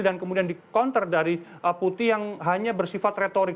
dan kemudian di counter dari putih yang hanya bersifat retorik